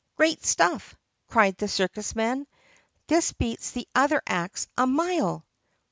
"Great stuff!" cried the circus man. "This beats the other acts a mile!"